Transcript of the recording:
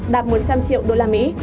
đạt một trăm linh triệu usd